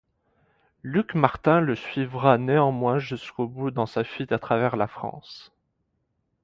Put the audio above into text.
Luc Martin le suivra néanmoins jusqu’au bout dans sa fuite à travers la France.